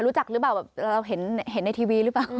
รู้จักหรือเปล่าแบบเราเห็นในทีวีหรือเปล่า